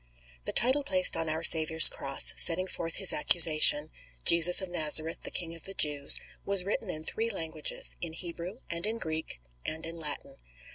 The title placed on our Saviour's cross, setting forth His accusation—"Jesus of Nazareth, the King of the Jews," was written in three languages—in Hebrew and in Greek and in Latin.